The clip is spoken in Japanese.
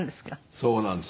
そうなんです。